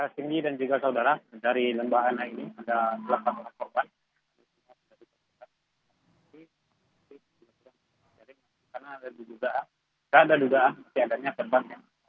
tinggi dan juga saudara dari lembaan naik tanah datar ada delapan korban